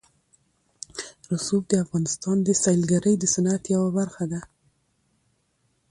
رسوب د افغانستان د سیلګرۍ د صنعت یوه برخه ده.